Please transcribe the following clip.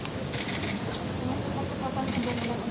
terima kasih pak